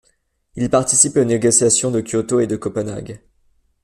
Il participe aux négociations de Kyoto et de Copenhague.